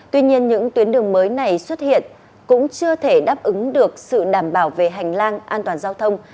tuy nhiên những tuyến đường mới này xuất hiện cũng chưa thể đáp ứng được sự đảm bảo về hành lang an toàn giao thông